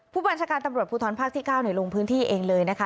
ผู้บัญชาการตำรวจภูทรภาคที่๙ลงพื้นที่เองเลยนะคะ